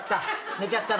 寝ちゃったの？